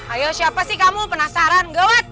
ayo siapa sih kamu penasaran gak